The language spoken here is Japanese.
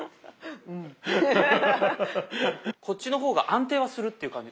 こっちの方が安定はするっていう感じ。